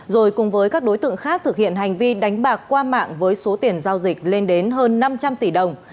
rồi cùng với các đối tượng khác thực hiện hành vi đánh bạc qua mạng với số tiền giao dịch lên đến hơn năm trăm linh tỷ đồng